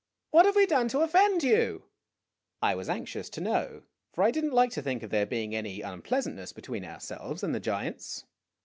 "What have we done to offend you?' I was anxious to know, for I did n't like to think of there being any unpleasantness between ourselves and the giants.